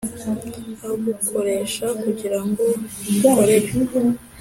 agukoresha kugira ngo umukorere,